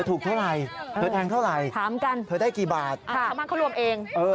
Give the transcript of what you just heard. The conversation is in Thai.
ตรงนั้นเขารวมเอง